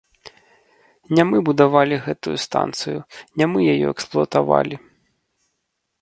Не мы будавалі гэтую станцыю, не мы яе эксплуатавалі.